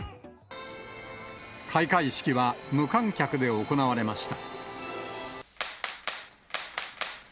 開会式は無観客で行われました。